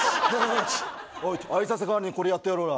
おい挨拶代わりにこれやってるよ。